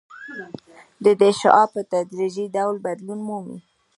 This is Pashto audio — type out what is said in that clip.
د دې شعاع په تدریجي ډول بدلون مومي